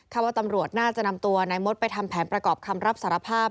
ว่าตำรวจน่าจะนำตัวนายมดไปทำแผนประกอบคำรับสารภาพ